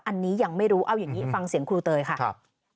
อันนี้ยังไม่รู้เอาอย่างนี้ฟังเสียงครูเตยค่ะ